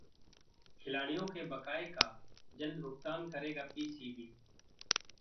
खिलाड़ियों के बकाये का जल्द भुगतान करेगा पीसीबी